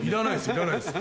いらないです。